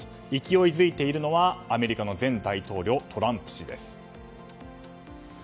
勢いづいているのはアメリカの前大統領トランプ氏です。